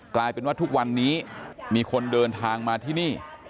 กลายเป็นว่าทุกวันนี้มีคนเดินทางมาที่นี่